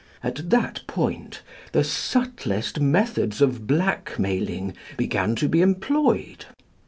At that point the subtlest methods of blackmailing begin to be employed.